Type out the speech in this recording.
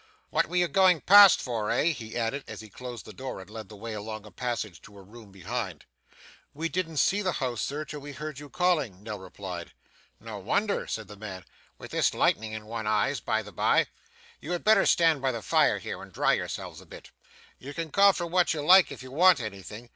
'What were you going past for, eh?' he added, as he closed the door and led the way along a passage to a room behind. 'We didn't see the house, sir, till we heard you calling,' Nell replied. 'No wonder,' said the man, 'with this lightning in one's eyes, by the by. You had better stand by the fire here, and dry yourselves a bit. You can call for what you like if you want anything.